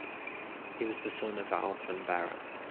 He was the son of Alf and Bera.